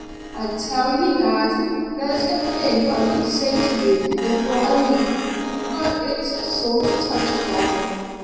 "I tell ye, lad, there's a thing I would say to you before I leave, but it's sore to touch upon."